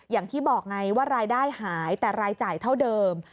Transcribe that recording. อย่างที่บอกไงว่ารายได้หายแต่รายจ่ายเท่าเดิม